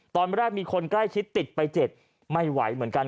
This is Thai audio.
ตอนแรกมีคนใกล้ชิดติดไป๗ไม่ไหวเหมือนกัน